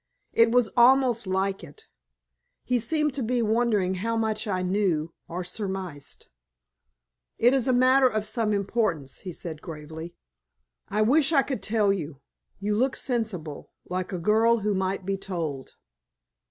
It was almost like it. He seemed to be wondering how much I knew or surmised. "It is a matter of some importance," he said, gravely. "I wish I could tell you. You look sensible, like a girl who might be told."